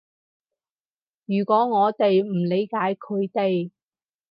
如果我哋唔理解佢哋